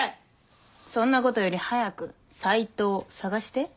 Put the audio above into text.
そんなことより早く斉藤捜して。